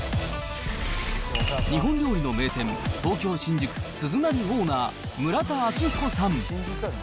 日本料理の名店、東京・新宿、鈴なりオーナー、村田明彦さん。